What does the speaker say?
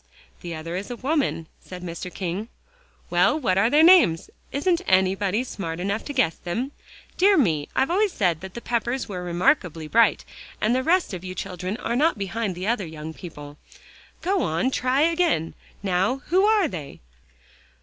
"The other is a woman," said Mr. King. "Well, what are their names? Isn't anybody smart enough to guess them? Dear me, I've always said that the Peppers were remarkably bright, and the rest of you children are not behind other young people. Go on, try again. Now who are they?"